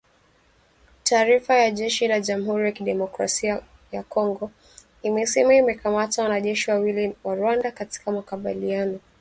Taarifa ya jeshi la Jamhuri ya Kidemokrasia ya Kongo, imesema imekamata wanajeshi wawili wa Rwanda katika makabiliano